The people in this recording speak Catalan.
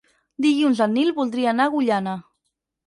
Dilluns en Nil voldria anar a Agullana.